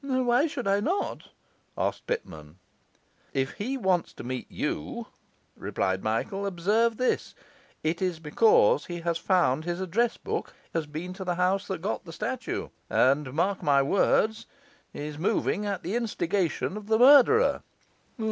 'Why should I not?' asked Pitman. 'If he wants to meet you,' replied Michael, 'observe this: it is because he has found his address book, has been to the house that got the statue, and mark my words! is moving at the instigation of the murderer.